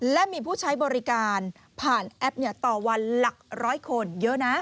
และมีผู้ใช้บริการผ่านแอปต่อวันหลักร้อยคนเยอะนะ